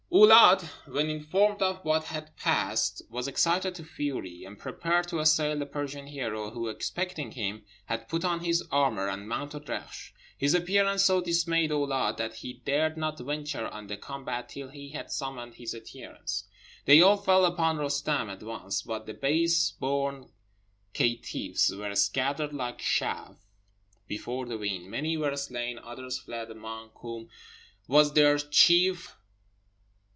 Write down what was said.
Oulâd, when informed of what had passed, was excited to fury, and prepared to assail the Persian hero, who, expecting him, had put on his armour and mounted Reksh. His appearance so dismayed Oulâd that he dared not venture on the combat till he had summoned his adherents. They all fell upon Roostem at once; but the base born caitiffs were scattered like chaff before the wind; many were slain, others fled, among whom was their chief.